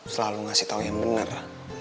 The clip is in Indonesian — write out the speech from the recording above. selalu ngasih tau yang bener